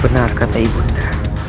benar kata ibunda